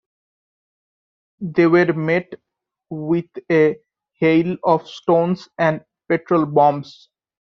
They were met with a hail of stones and petrol bombs.